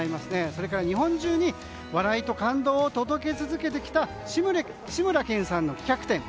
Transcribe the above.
それから、日本中に笑いと感動を届け続けてきた志村けんさんの企画展